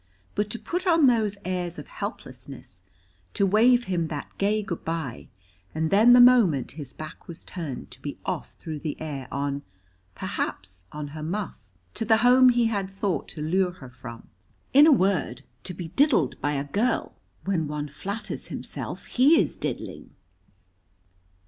But to put on those airs of helplessness, to wave him that gay good by, and then the moment his back was turned, to be off through the air on perhaps on her muff, to the home he had thought to lure her from. In a word, to be diddled by a girl when one flatters himself he is diddling!